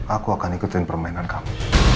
aku akan ikutin permainan kamu